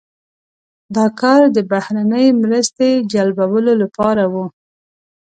دا کار د بهرنۍ مرستې جلبولو لپاره و.